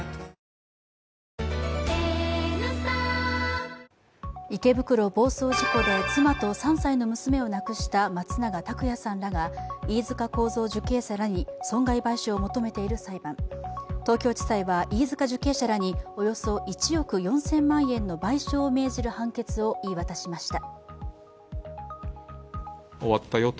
帰れば「金麦」池袋暴走事故で妻と３歳の娘を亡くした松永拓也さんらが飯塚幸三受刑者らに損害賠償を求めている裁判東京地裁は飯塚受刑者らにおよそ１億４０００万円の賠償を命じる判決を言い渡しました。